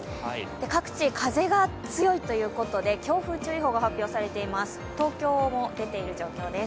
各地、風が強いということで強風注意報が発表されています。